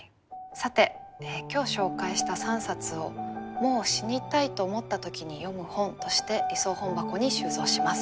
さて今日紹介した３冊を「もう死にたいと思った時に読む本」として理想本箱に収蔵します。